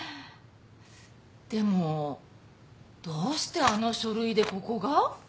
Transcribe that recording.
でもどうしてあの書類でここが？